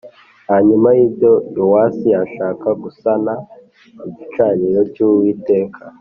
Hanyuma y ibyo Yowasi ashaka gusana igicaniro cy’uwiteka